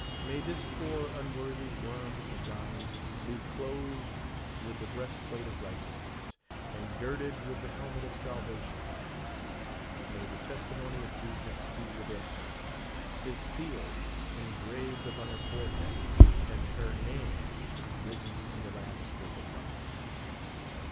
May this poor unworthy worm of thine be clothed with the breast plate of righteousness, and girded with the helmet of salvation. May the testimony of Jesus be within her, his seal engraved upon her forehead, and her name writ ten in the Lamb's book of life.